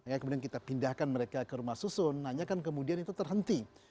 ya kemudian kita pindahkan mereka ke rumah susun hanya kan kemudian itu terhenti